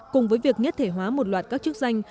cùng với việc nhất thể hóa một loạt các chức danh